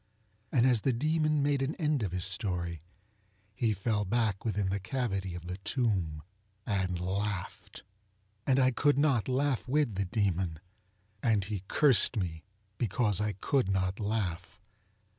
And as the Demon made an end of his story, he fell back within the cavity of the tomb and laughed. And I could not laugh with the Demon, and he cursed me because I could not laugh.